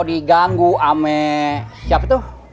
diganggu ama siapa tuh